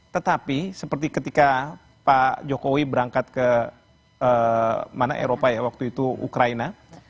tetapi seperti ketika pak jokowi berangkat ke mana eropa ya waktu itu ukraina